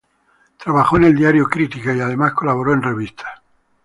Trabajó en el diario "Crítica", y además colaboró en revistas.